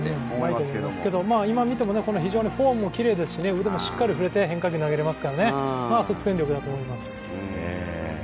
でも今、見ても、フォームもきれいですし腕もしっかり振れて変化球投げれますから即戦力だと思います。